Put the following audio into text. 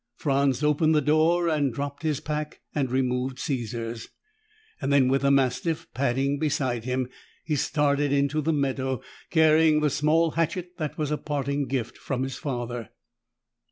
Franz opened the door, dropped his pack and removed Caesar's. Then, with the mastiff padding beside him, he started into the meadow, carrying the small hatchet that was a parting gift from his father.